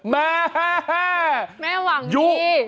แม่หวังดี